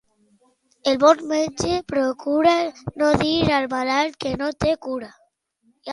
El bon metge procura no dir al malalt que no té cura.